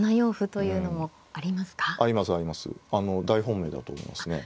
大本命だと思いますね。